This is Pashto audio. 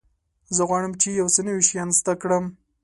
زه غواړم چې یو څه نوي شیان زده کړم.